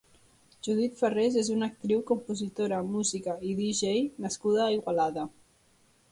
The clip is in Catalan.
Judit Farrés és una actriu, compositora, música i dj nascuda a Igualada.